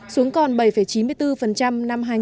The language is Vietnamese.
xuống còn bảy chín mươi bốn năm hai nghìn một mươi